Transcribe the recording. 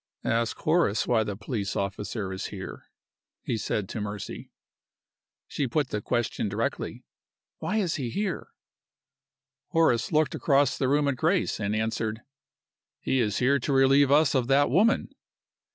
"Ask Horace why the police officer is here?" he said to Mercy. She put the question directly. "Why is he here?" Horace looked across the room at Grace, and answered, "He is here to relieve us of that woman."